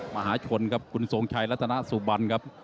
มหาชนครับคุณทรงชัยรัฐนาสุบันครับ